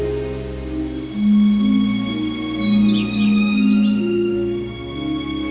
ketika itu kakaknya menangis